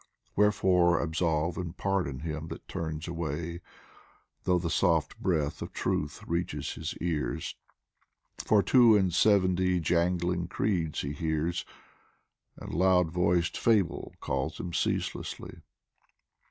Wherefore Absolve and pardon him that turns away Though the soft breath of Truth reaches his ears, For two and seventy jangling creeds he hears, And loud voiced Fable calls him ceaselessly.